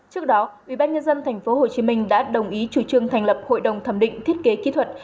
trước đó ủy ban nhân dân tp hồ chí minh đã đồng ý chủ trương thành lập hội đồng thẩm định thiết kế kỹ thuật